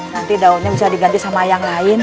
nanti daunnya bisa diganti sama yang lain